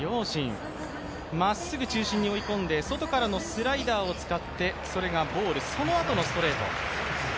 まっすぐ中心に追い込んで外からのスライダーそれがボール、そのあとのストレート。